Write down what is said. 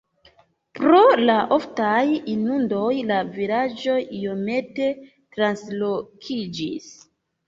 Pro la oftaj inundoj la vilaĝo iomete translokiĝis.